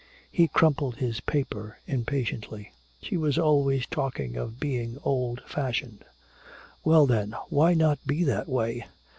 He crumpled his paper impatiently. She was always talking of being old fashioned. Well then, why not be that way?